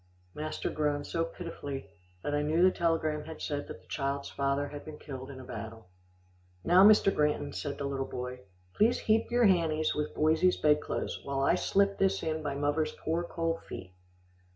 '" Master groaned so pitifully, that I knew the telegram had said that the child's father had been killed in a battle. "Now, Mr. Granton," said the little boy, "please heap your hannies with boysie's bed clothes, while I slip this in by muvver's poor cold feet."